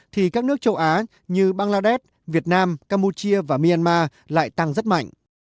thì các nước châu á như bangladesh việt nam campuchia và myanmar lại tăng rất mạnh